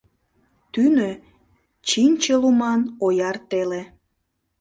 Тӱнӧ — чинче луман, ояр теле.